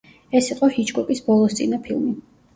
ეს იყო ჰიჩკოკის ბოლოსწინა ფილმი.